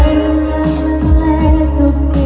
ข้างหลังน่ารักมาก